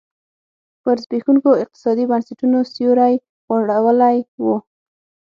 پر زبېښونکو اقتصادي بنسټونو سیوری غوړولی و.